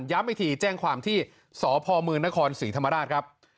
อีกทีแจ้งความที่สพมนครศรีธรรมราชครับ